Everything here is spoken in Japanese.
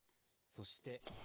そして、雨。